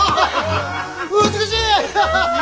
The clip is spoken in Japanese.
美しい！